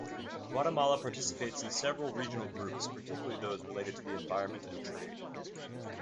Guatemala participates in several regional groups, particularly those related to the environment and trade.